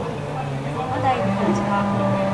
まだいる感じか